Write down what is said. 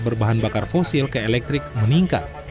berbahan bakar fosil ke elektrik meningkat